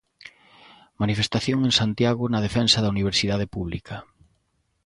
Manifestación en Santiago na defensa da Universidade Pública.